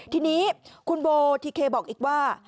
ทีนี้คุณโบทิเคบอกอีกว่า